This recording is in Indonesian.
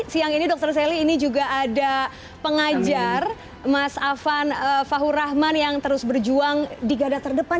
siang ini dokter sally ini juga ada pengajar mas afan fahur rahman yang terus berjuang di gada terdepan